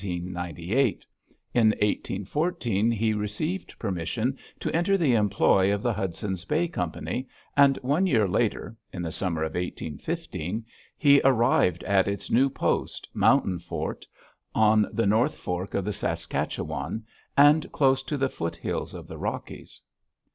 In 1814 he received permission to enter the employ of the Hudson's Bay Company, and one year later in the summer of 1815 he arrived at its new post, Mountain Fort, on the North Fork of the Saskatchewan and close to the foothills of the Rockies.